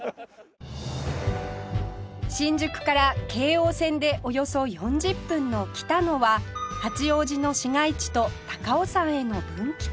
新宿から京王線でおよそ４０分の北野は八王子の市街地と高尾山への分岐点